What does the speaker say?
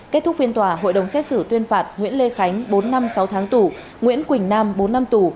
kết thúc phiên tòa hội đồng xét xử tuyên phạt nguyễn lê khánh bốn năm sáu tháng tù nguyễn quỳnh nam bốn năm tù